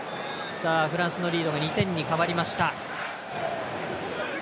フランスのリードが２点に変わりました。